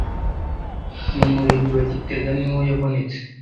mu Murenge wa Gitega niho yabonetse